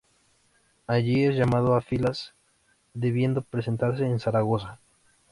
Allí es llamado a filas, debiendo presentarse en Zaragoza.